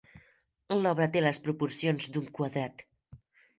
L'obra té les proporcions d'un quadrat.